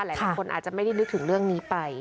หลายคนอาจจะไม่ได้นึกถึงเรื่องนี้ไป